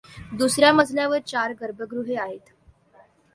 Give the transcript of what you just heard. दुसर् या मजल्यावर चार गर्भगृहे आहेत.